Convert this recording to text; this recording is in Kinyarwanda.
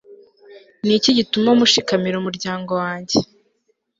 ni iki gituma mushikamira umuryango wanjye